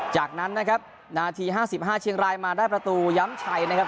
จากนั้นนะครับนาที๕๕เชียงรายมาได้ประตูย้ำชัยนะครับ